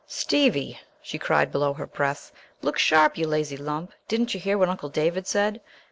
"Stevie," she cried below her breath, "look sharp, you lazy lump. Didn't you hear what Uncle David said?